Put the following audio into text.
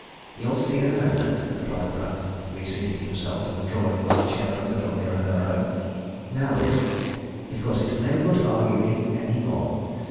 "You'll see in a moment," replied Pratt, reseating himself, and drawing his chair a little nearer her own. "Now listen because it's no good arguing any more.